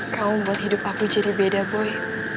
kau membuat hidup aku jadi beda boy